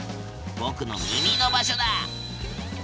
ぼくの耳の場所だ。